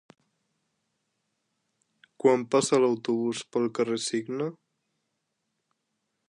Quan passa l'autobús pel carrer Cigne?